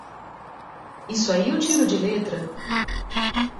Isso aí eu tiro de letra!